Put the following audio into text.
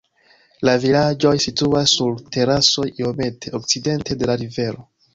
La vilaĝoj situas sur terasoj iomete okcidente de la rivero.